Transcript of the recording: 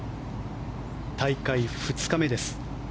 大会２日目です。